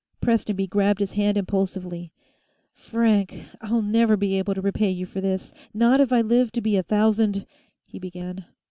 Prestonby grabbed his hand impulsively. "Frank! I'll never be able to repay you for this, not if I live to be a thousand " he began.